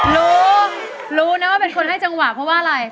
รู้รู้นะว่าเป็นคนให้จังหวะเพราะว่าอะไร